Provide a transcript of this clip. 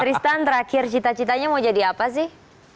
kristan terakhir cita citanya mau jadi apa sih